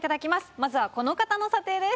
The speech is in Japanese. まずはこの方の査定です。